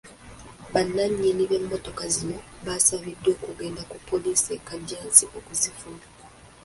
Bannanyini b'emotoka zino basaabiddwa okugenda ku poliisi e Kajjansi okuzifuna.